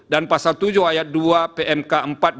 dan pasal tujuh ayat dua pmk empat dua ribu dua puluh tiga